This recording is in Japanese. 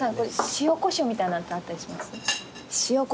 塩こしょうみたいなやつってあったりします？